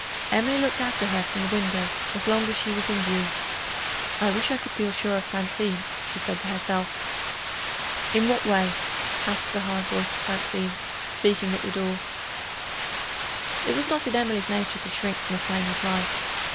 Emily looked after her from the window, as long as she was in view. "I wish I could feel sure of Francine!" she said to herself. "In what way?" asked the hard voice of Francine, speaking at the door. It was not in Emily's nature to shrink from a plain reply.